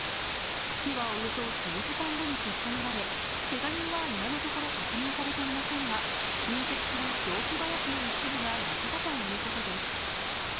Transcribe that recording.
火はおよそ１０時間後に消し止められ、けが人は今のところ確認されていませんが、隣接する雑木林の一部が焼けたということです。